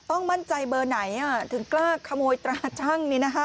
ต้องมั่นใจเบอร์ไหนถึงกล้าขโมยตราชั่ง